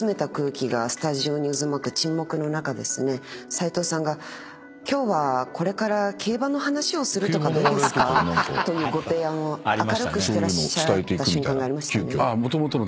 斉藤さんが「今日はこれから競馬の話をするとかどうですか」というご提案を明るくしてらっしゃった瞬間がありましたね。